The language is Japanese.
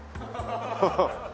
ハハハ。